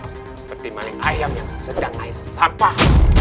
seperti maling ayam yang sedang ais sampah